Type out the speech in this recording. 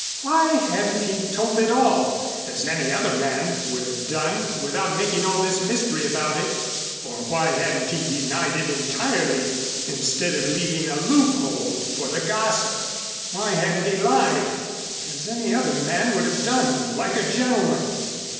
Why hadn't he told it all, as any other man would have done without making all this mystery about it? Or why hadn't he denied it entirely instead of leaving a loophole for the gossip? Why hadn't he lied, as any other man would have done, like a gentleman?